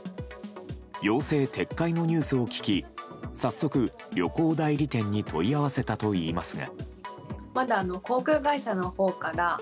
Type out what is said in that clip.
要請撤回のニュースを聞き早速、旅行代理店に問い合わせたと言いますが。